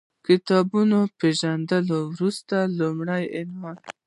کتاب پېژندنې وروسته مې لومړی عنوان